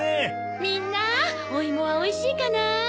みんなおいもはおいしいかな？